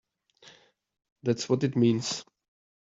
That's what it means!